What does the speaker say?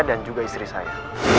dan juga istri saya